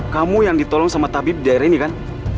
kamu yang ditolong sama tabib di daerah ini kan